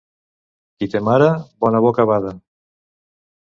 Qui té mare, bona boca bada.